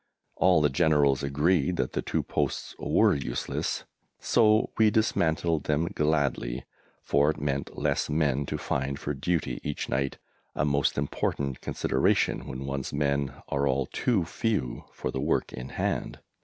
All the generals agreed that the two posts were useless, so we dismantled them gladly, for it meant less men to find for duty each night a most important consideration when one's men are all too few for the work in hand.